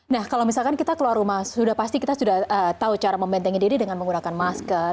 nah kalau misalkan kita keluar rumah sudah pasti kita sudah tahu cara membentengi diri dengan menggunakan masker